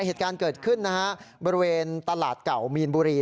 เหตุการณ์เกิดขึ้นนะฮะบริเวณตลาดเก่ามีนบุรี